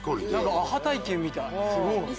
アハ体験みたい。